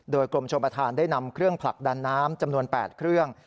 โดยกรมชมประธานได้นำเครื่องผลักดันน้ำจำนวน๘เครื่อง